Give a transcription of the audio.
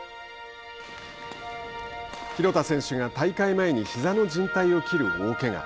廣田選手が、大会前にひざのじん帯を切る大けが。